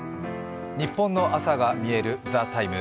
ニッポンの朝がみえる「ＴＨＥＴＩＭＥ，」